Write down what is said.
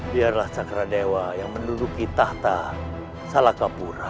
biarlah cakra dewa yang menduduki tahta salah kapura